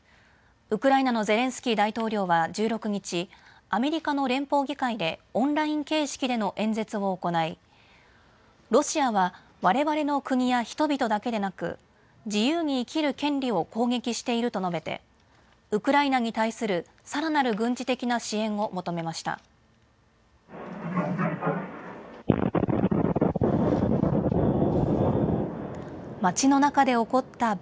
ウクライナのゼレンスキー大統領は１６日、アメリカの連邦議会でオンライン形式での演説を行いロシアはわれわれの国や人々だけでなく自由に生きる権利を攻撃していると述べてウクライナに対するさらなる軍事的な支援を求めました。